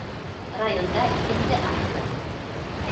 Районда икенсе атты!